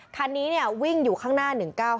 คันนี้วิ่งอยู่ข้างหน้า๑๙๙